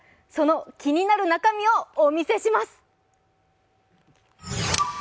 その気になる中身をお見せします。